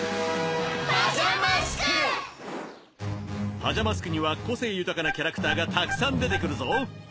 パジャマスクには個性豊かなキャラクターがたくさん出てくるぞ。